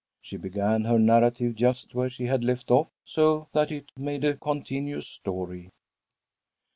She began her narrative just where she had left off, so that it made a continuous story.